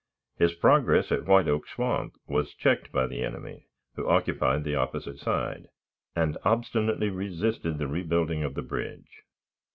His progress at White Oak Swamp was checked by the enemy, who occupied the opposite side, and obstinately resisted the rebuilding of the bridge.